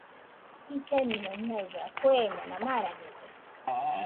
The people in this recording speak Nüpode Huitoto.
Illaɨnɨaɨ ñaɨa kuemona marañede.